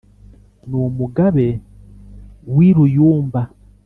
n’ umugabe w’ i ruyumba,